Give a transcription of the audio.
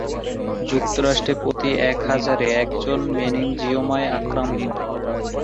যুক্তরাষ্ট্রে প্রতি এক হাজারে একজন মেনিনজিওমায় আক্রান্ত।